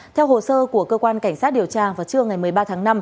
theo hồ sơ của cơ quan cảnh sát điều tra vào trưa ngày một mươi ba tháng năm